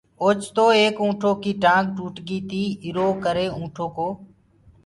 اوچتو ايڪ اُنٚٺو ڪيٚ ٽآنٚگ ٽوٽ گي تيٚ ايرو ڪري ُِانٚٺ ڪو